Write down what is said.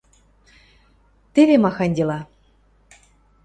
«Теве махань дела!